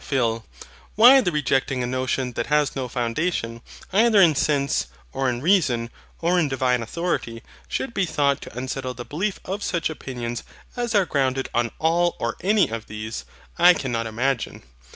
PHIL. Why the rejecting a notion that has no foundation, either in sense, or in reason, or in Divine authority, should be thought to unsettle the belief of such opinions as are grounded on all or any of these, I cannot imagine.